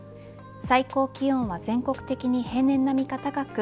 最高気温は全国的に平年並みか高く